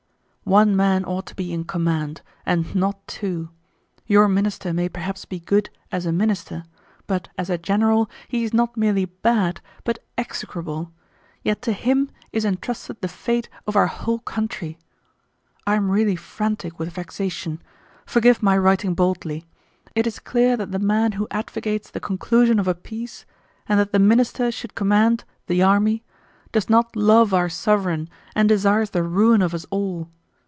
One man ought to be in command, and not two. Your Minister may perhaps be good as a Minister, but as a general he is not merely bad but execrable, yet to him is entrusted the fate of our whole country.... I am really frantic with vexation; forgive my writing boldly. It is clear that the man who advocates the conclusion of a peace, and that the Minister should command the army, does not love our sovereign and desires the ruin of us all.